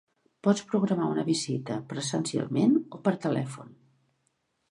Pots programar una visita presencialment o per telèfon.